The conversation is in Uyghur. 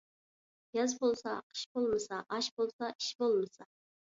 ياز بولسا قىش بولمىسا، ئاش بولسا ئىش بولمىسا.